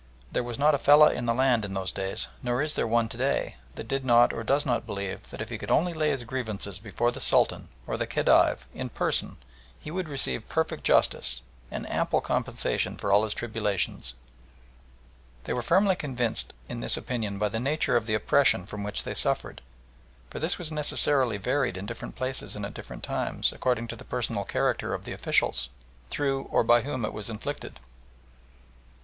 There was not a fellah in the land in those days, nor is there one to day, that did not or does not believe that if he could only lay his grievances before the Sultan or the Khedive in person, he would receive perfect justice and ample compensation for all his tribulations. They were confirmed in this opinion by the nature of the oppression from which they suffered, for this necessarily varied in different places and at different times, according to the personal character of the officials through or by whom it was inflicted.